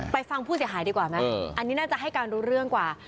ฟังผู้เสียหายดีกว่าไหมอันนี้น่าจะให้การรู้เรื่องกว่า